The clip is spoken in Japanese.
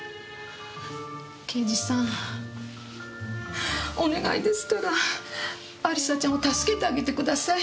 刑事さんお願いですから亜里沙ちゃんを助けてあげてください。